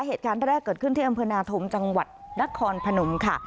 เหตุการณ์แรกเกิดขึ้นที่อำเภอนาธมจังหวัดนครพนมค่ะ